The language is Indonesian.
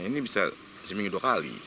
ini bisa seminggu dua kali